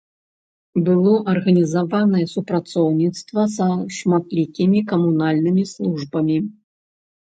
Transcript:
Было арганізаванае супрацоўніцтва са шматлікімі камунальнымі службамі.